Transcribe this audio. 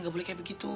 gak boleh kayak begitu